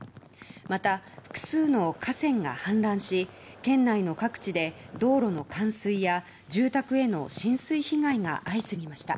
また、複数の河川が氾濫し県内の各地で道路の冠水や住宅への浸水被害が相次ぎました。